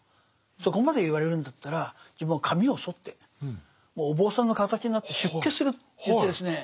そこまで言われるんだったら自分は髪をそってもうお坊さんの形になって出家すると言ってですね